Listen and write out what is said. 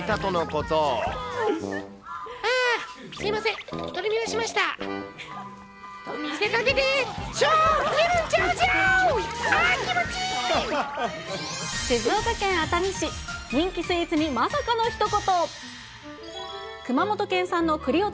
と見せかけて、静岡県熱海市、人気スイーツにまさかのひと言。